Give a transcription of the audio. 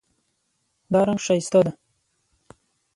دا رنګ ښایسته ده